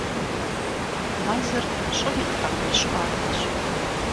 Мэзыр щӀым и «тхьэмбыл щхъуантӀэщ».